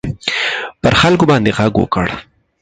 پر خلکو باندي ږغ وکړ.